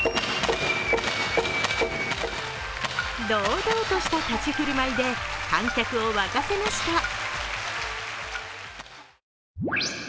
堂々とした立ち居振る舞いで観客を沸かせました。